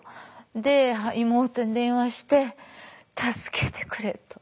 で妹に電話して「助けてくれ」と。